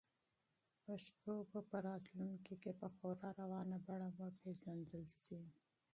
پښتو به په راتلونکي کې په خورا روانه بڼه وپیژندل شي.